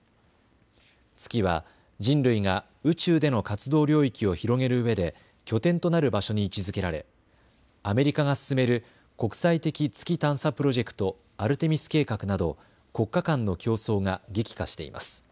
月は人類が宇宙での活動領域を広げるうえで拠点となる場所に位置づけられアメリカが進める国際的月探査プロジェクト、アルテミス計画など国家間の競争が激化しています。